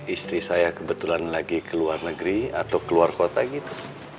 istri saya kebetulan lagi ke luar negeri atau keluar kota gitu